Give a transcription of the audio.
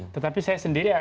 tetapi saya sendiri saya juga